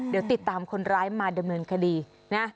เดี๋ยวติดตามคนร้ายมาดำเนินคดีนะ